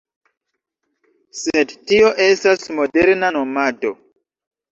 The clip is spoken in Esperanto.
Sed tio estas moderna nomado.